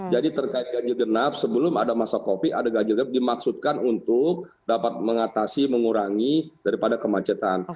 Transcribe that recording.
jadi terkait ganjil genap sebelum ada masa covid ada ganjil genap dimaksudkan untuk dapat mengatasi mengurangi daripada kemacetan